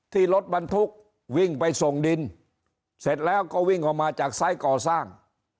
ที่รถบรรทุกวิ่งไปส่งดินเสร็จแล้วก็วิ่งออกมาจากไซส์ก่อสร้าง